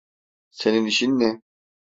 Senin işin ne?